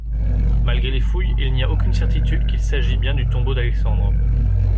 Malgré les fouilles, il n'y a aucune certitude qu'il s'agit bien du tombeau d'Alexandre.